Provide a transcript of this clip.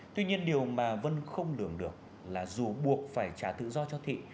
tuy nhiên điều mà vân không lường được là dù buộc phải trả tự do cho thị